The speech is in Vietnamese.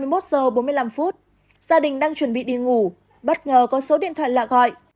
gia đình đang chuẩn bị đi ngủ bất ngờ có số điện thoại lạ gọi